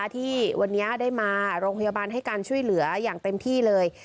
ที่วันนี้ได้มาโรงพยาบาลให้การช่วยเหลืออย่างเต็มที่เลย